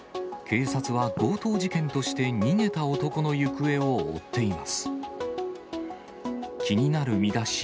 警察は強盗事件として逃げた男の行方を追っています。